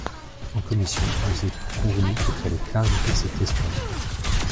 En commission, nous étions convenus qu’il fallait clarifier cette question.